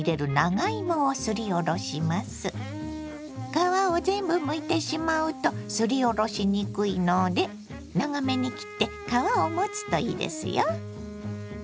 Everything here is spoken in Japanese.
皮を全部むいてしまうとすりおろしにくいので長めに切って皮を持つといいですよ。